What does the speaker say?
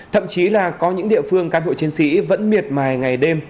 thậm chí là có những địa phương cán bộ chiến sĩ vẫn miệt mài ngày đêm